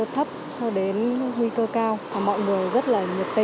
các ca bệnh có triệu chứng thì được hỗ trợ từ xa